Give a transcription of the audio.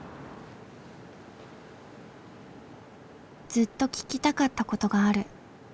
ずっと聞きたかったことがある。